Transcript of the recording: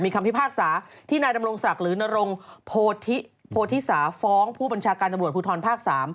คำพิพากษาที่นายดำรงศักดิ์หรือนรงโพธิสาฟ้องผู้บัญชาการตำรวจภูทรภาค๓